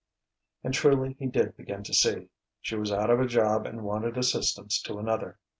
And truly he did begin to see: she was out of a job and wanted assistance to another.